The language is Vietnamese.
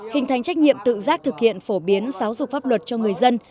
hình thành trách nhiệm tự giác thực hiện phổ biến giáo dục pháp luật cho người dân